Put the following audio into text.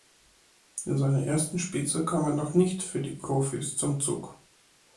In seiner ersten Spielzeit kam er noch nicht für die Profis zum Zug.